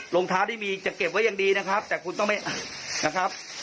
รองเท้าที่มีจะเก็บไว้ยังดีนะครับแต่คุณต้องไม่อัดนะครับ